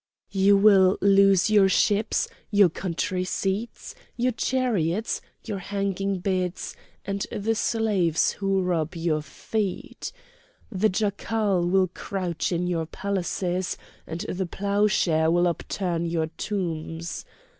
"You will lose your ships, your country seats, your chariots, your hanging beds, and the slaves who rub your feet! The jackal will crouch in your palaces, and the ploughshare will upturn your tombs.